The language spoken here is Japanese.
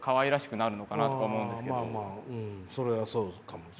それはそうかもしれない。